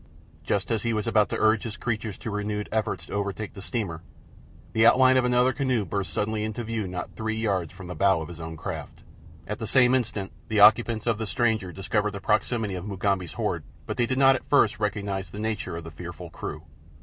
Just as he was about to urge his creatures to renewed efforts to overtake the steamer the outline of another canoe burst suddenly into view not three yards from the bow of his own craft. At the same instant the occupants of the stranger discovered the proximity of Mugambi's horde, but they did not at first recognize the nature of the fearful crew.